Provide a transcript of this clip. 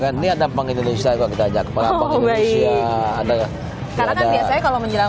ini ada pengindonesia kita ajak ke para pengindonesia karena biasanya kalau menjelang